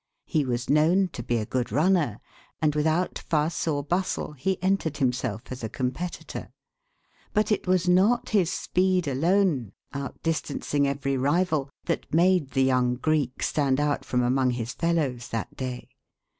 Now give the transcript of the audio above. He was known to be a good runner, and without fuss or bustle he entered himself as a competitor. But it was not his speed alone, out distancing every rival, that made the young Greek stand out from among his fellows that day.